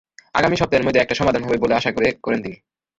আগামী সপ্তাহের মধ্যে একটা সমাধান হবে বলে আশা করেন তিনি।